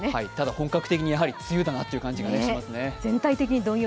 本格的に梅雨だなという感じがしますね。